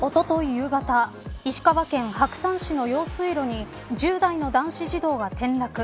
夕方石川県白山市の用水路に１０代の男子児童が転落。